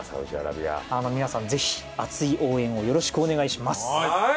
皆さんぜひ熱い応援をよろしくお願いします。